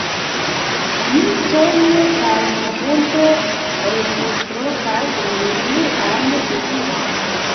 Ni ĝoje kaj kontente reciprokas lian deziron.